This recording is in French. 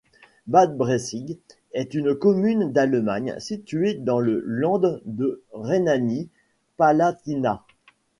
Bad Breisig est une commune d'Allemagne située dans le land de Rhénanie-Palatinat.